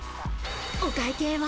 お会計は。